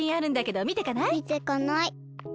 みてかない。